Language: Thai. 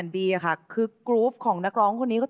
ไม่รู้เลย